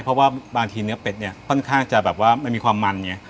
เพราะว่าบางทีเนื้อเป็ดเนี่ยค่อนข้างจะแบบว่ามันมีความมันไง